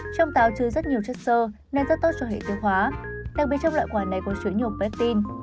trong táo chứa rất nhiều chất sơ nên rất tốt cho hệ tiêu hóa đặc biệt trong loại quả này có chứa nhiều pectin